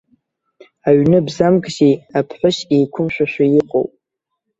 Аҩны бзамкзеи, аԥҳәыс еиқәымшәашәа иҟоу?!